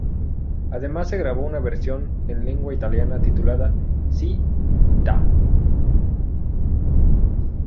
Además, se grabó una versión en lengua italiana titulada "Ci sta"'.